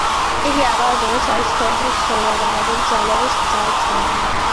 იგი ამავე დროს არის ქვეყნის შეიარაღებული ძალების მთავარსარდალი.